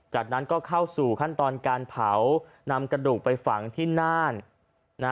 จากนั้นก็เข้าสู่ขั้นตอนการเผานำกระดูกไปฝังที่น่านนะ